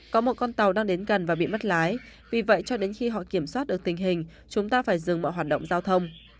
có một con tàu đang đến gần và bị mất lái vì vậy cho đến khi họ kiểm soát được tình hình chúng ta phải dừng mọi hoạt động giao thông